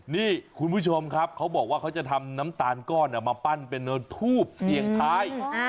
นี่คุณผู้ชมครับเขาบอกว่าเขาจะทำน้ำตาลก้อนมาปั้นเป็นทูบเสี่ยงท้าย